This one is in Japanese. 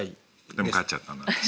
でも勝っちゃったの私。